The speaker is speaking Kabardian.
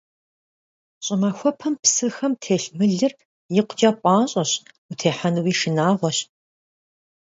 Щӏымахуэпэм псыхэм телъ мылыр икъукӀэ пӀащӀэщ, утехьэнуи шынагъуэщ.